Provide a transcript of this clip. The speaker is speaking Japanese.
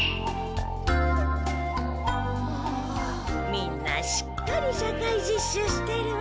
みんなしっかり社会実習しているわ。